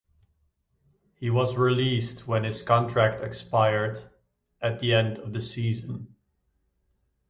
He was released when his contract expired at the end of the season.